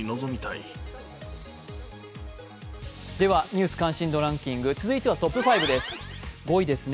「ニュース関心度ランキング」続いてはトップ５です。